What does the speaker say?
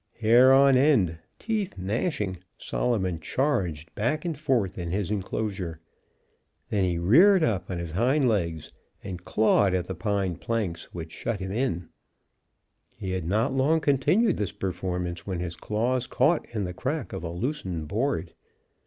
Hair on end, teeth gnashing, Solomon charged back and forth in his enclosure. Then he reared up on his hind legs and clawed at the pine planks which shut him in. He had not long continued this performance when his claws caught in the crack of a loosened board.